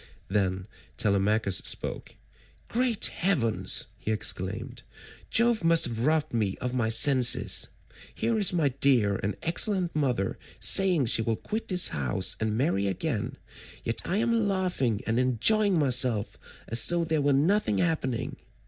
Then Telemachus spoke. "Great heavens!" he exclaimed, "Jove must have robbed me of my senses. Here is my dear and excellent mother saying she will quit this house and marry again, yet I am laughing and enjoying myself as though there were nothing happening.